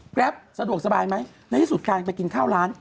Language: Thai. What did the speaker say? แรปสะดวกสบายไหมในที่สุดการไปกินข้าวร้าน